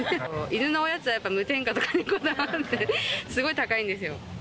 犬のおやつはやっぱり無添加とかにこだわるんで、すごい高いんですよ。